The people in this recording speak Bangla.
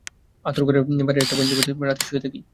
আঁতুড়ঘরের বাইরে একটা বেঞ্চ পেতে রাতে শুয়ে থাকি।